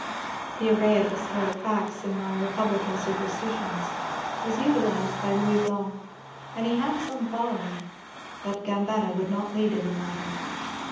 " The array of historic facts in my '^ Republican Supersti tions " was utilized by Louis Blanc, and he had some follow ing. But Gambetta would not lead in the matter.